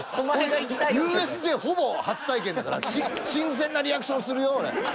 ＵＳＪほぼ初体験だから新鮮なリアクションするよ俺。